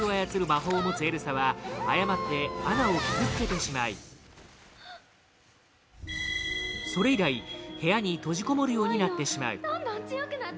魔法を持つエルサは誤ってアナを傷つけてしまいそれ以来、部屋に閉じこもるようになってしまう